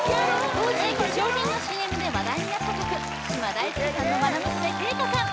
当時化粧品のＣＭで話題になった曲嶋大輔さんの愛娘圭叶さん